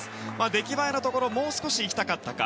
出来栄えのところもう少しいきたかったか。